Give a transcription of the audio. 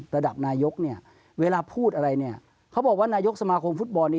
ระดับนายกเวลาพูดอะไรเขาบอกว่านายกสมาคมฟุตบอลนี่